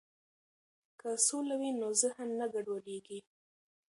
که سوله وي نو ذهن نه ګډوډیږي.